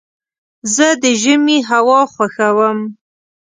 زه د ژمي هوا خوښوم.